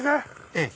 ええ。